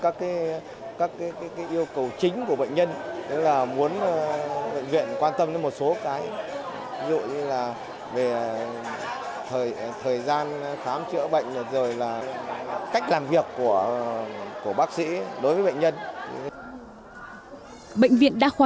phục vụ người bệnh